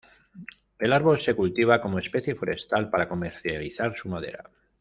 El árbol se cultiva como especie forestal para comercializar su madera.